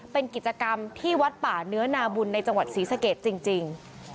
เป็นกิจกรรมที่วัดป่าเนื้อนาบุญในจังหวัดศรีสเกตจริง